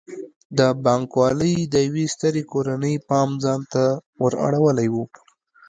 د بانک والۍ د یوې سترې کورنۍ پام ځان ته ور اړولی و.